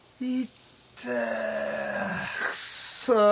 くそ。